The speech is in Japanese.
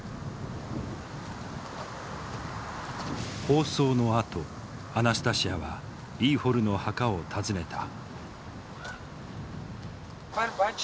放送のあとアナスタシヤはイーホルの墓を訪ねた。